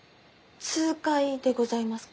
痛快でございますか？